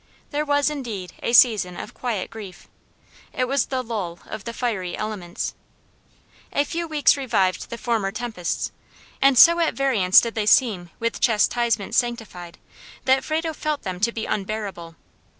There was, indeed, a season of quiet grief; it was the lull of the fiery elements. A few weeks revived the former tempests, and so at variance did they seem with chastisement sanctified, that Frado felt them to be unbearable.